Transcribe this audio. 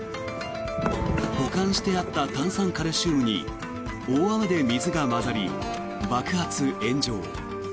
保管してあった炭酸カルシウムに大雨で水が混ざり爆発・炎上。